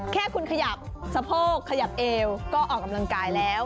แค่คุณขยับสะโพกขยับเอวก็ออกกำลังกายแล้ว